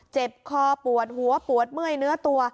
เจ็บคอปวดหัวปวดเมื่อยเนื้อตัว